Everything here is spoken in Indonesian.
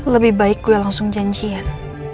lebih baik gue langsung janjian